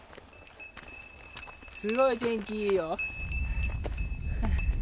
すごい天気いいよ。